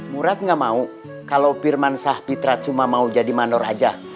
murad nggak mau kalau pirman sahpitra cuma mau jadi manwar aja